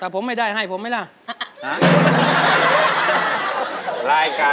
มันก็ไม่ใช่สินโอกรีมนะคะ